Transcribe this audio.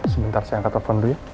sebentar saya angkat telepon dulu ya